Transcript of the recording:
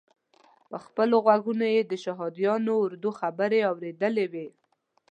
په خپلو غوږو یې د شهادیانو اردو خبرې اورېدلې وې.